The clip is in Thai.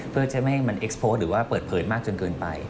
เพื่อจะไม่ให้มันออกมาหรือว่าเปิดมากจนเกินไป